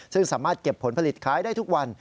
ซึ่งสามารถเก็บผลผลิตขายได้ทุกวัน